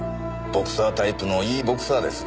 ボクサータイプのいいボクサーです。